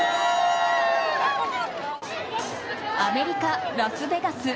アメリカ・ラスベガス。